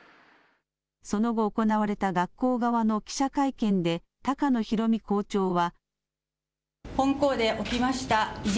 その後、行われた学校側の記者会見で高野寛美校長は。